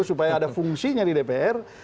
supaya ada fungsinya di dpr